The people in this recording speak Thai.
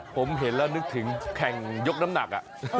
ผมเห็นแล้วนึกถึงแข่งยกน้ำหนัก